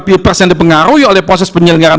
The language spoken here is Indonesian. phpup press yang dipengaruhi oleh proses penyelenggaran